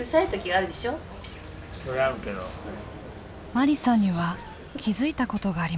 まりさんには気付いたことがありました。